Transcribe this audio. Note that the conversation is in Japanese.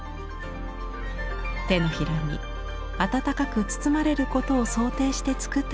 手のひらに温かく包まれることを想定して作ったといいます。